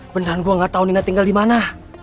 beneran gua gak tau nina tinggal dimana